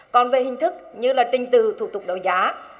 còn về hình thức như là trình từ thủ tục đấu giá